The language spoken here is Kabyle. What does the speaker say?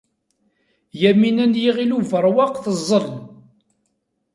Yamina n Yiɣil Ubeṛwaq teẓẓel.